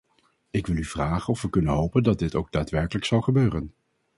Ik wil u vragen of we kunnen hopen dat dit ook daadwerkelijk zal gebeuren.